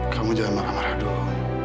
kamu jangan marah marah dong